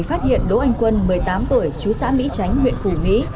phát hiện đỗ anh quân một mươi tám tuổi chú xã mỹ tránh huyện phủ mỹ